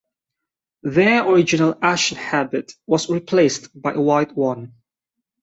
Their original ashen habit was replaced by a white one.